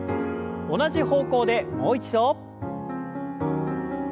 同じ方向でもう一度。